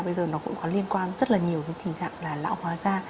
bây giờ nó cũng có liên quan rất là nhiều cái tình trạng là lão hóa da